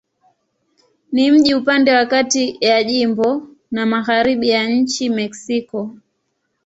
Ni mji upande wa kati ya jimbo na magharibi ya nchi Mexiko.